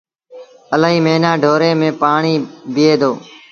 الهيٚ موهيݩآ ڍوري ميݩ پڻيٚ بيٚهي دو۔